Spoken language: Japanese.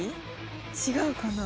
違うかな。